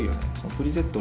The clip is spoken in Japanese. プリセット